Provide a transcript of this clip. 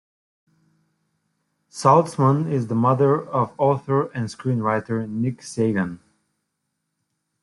Salzman is the mother of author and screenwriter Nick Sagan.